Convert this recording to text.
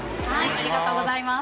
ありがとうございます。